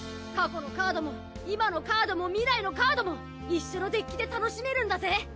過去のカードも今のカードも未来のカードも一緒のデッキで楽しめるんだぜ！